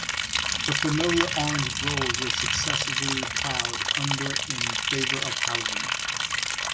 The familiar orange groves were successively plowed under in favor of housing.